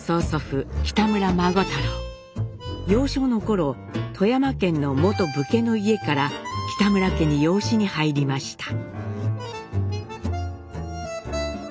幼少の頃富山県の元武家の家から北村家に養子に入りました。